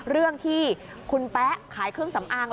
เรื่องที่คุณแป๊ะขายเครื่องสำอาง